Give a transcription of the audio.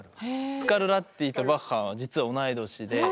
スカルラッティとバッハは実は同い年で。